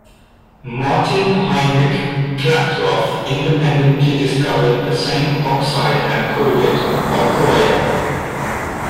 Martin Heinrich Klaproth independently discovered the same oxide and called it "ochroia".